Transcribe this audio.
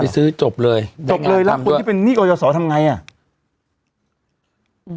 ไปซื้อจบเลยจบเลยแล้วคนที่เป็นนี่ก็จะสอทำง่ายอ่ะ